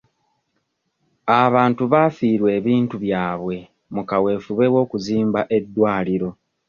Abantu baafiirwa ebintu byabwe mu kaweefube w'okuzimba eddwaliro.